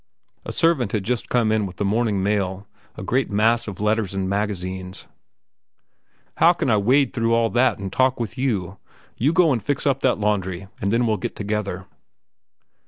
A servant had just come in with the morning mail, a great mass of letters and magazines. "How can I wade through that and talk with you? You go and fix up that laundry, and then we'll get together."